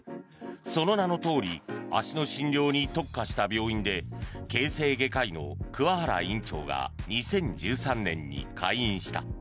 その名のとおり足の診療に特化した病院で形成外科医の桑原院長が２０１３年に開院した。